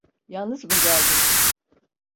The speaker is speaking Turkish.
Yalnız mı geldin?